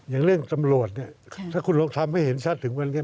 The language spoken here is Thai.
อย่างเรื่องสำรวจถ้าคุณลงทางไม่เห็นชัดถึงวันนี้